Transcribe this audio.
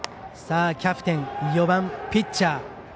キャプテン、４番、ピッチャー。